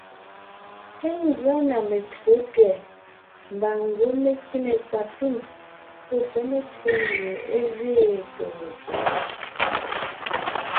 Ngʉa na metÿǒ tẅɛ̀ mbà ngwɔ́ mé kíme sapîŋ pɔ́ tsɔ́ metÿǒ mie é gẅeen tôontǒon.